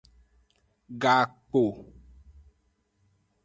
Gakpo.